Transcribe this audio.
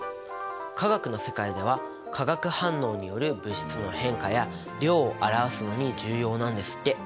化学の世界では化学反応による物質の変化や量を表すのに重要なんですって。